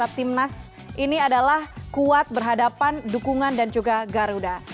karena timnas ini adalah kuat berhadapan dukungan dan juga garuda